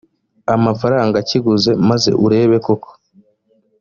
amafaranga akiguze maze urebe koko